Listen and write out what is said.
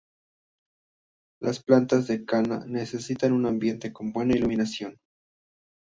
Las plantas de kanna necesitan un ambiente con buena iluminación.